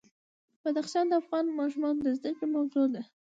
بدخشان د افغان ماشومانو د زده کړې موضوع ده.